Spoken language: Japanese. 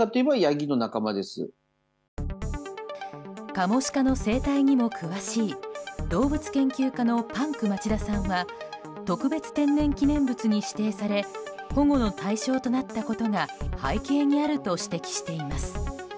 カモシカの生態にも詳しい動物研究家のパンク町田さんは特別天然記念物に指定され保護の対象となったことが背景にあると指摘しています。